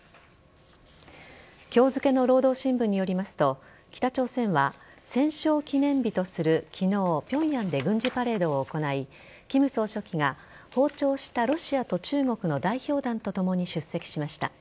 今日付の労働新聞によりますと北朝鮮は戦勝記念日とする昨日平壌で軍事パレードを行い金総書記が訪朝したロシアと中国の代表団とともに出席しました。